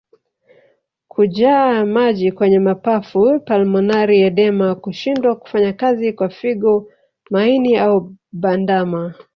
Kujaa maji kwenye mapafu pulmonary edema Kushindwa kufanya kazi kwa figo maini au bandama